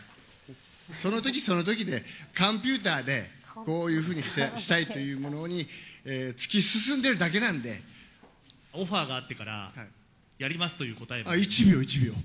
そのときそのときで、勘ピューターでこういうふうにして、したいというものに突き進んオファーがあってからやりま１秒、１秒。